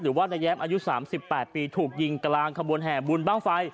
หรือว่านายแย้มอายุ๓๘ปีถูกยิงกลางขบวนแห่บุญบ้างไฟ